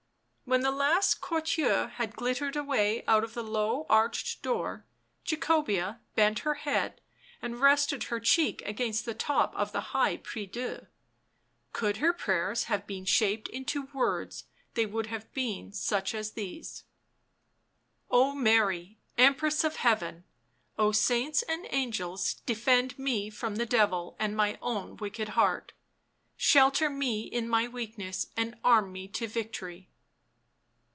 When the last courtier had glittered away out of the low arched door, Jacobea bent her head and rested her cheek against the top of the high yrie Dieu. Could her prayers have been shaped into words they would have been such as these :" Oh Mary, Empress of Heaven, oh saints and angels defend me from the Devil and my own wicked heart, shelter me in my weakness and arm me to victory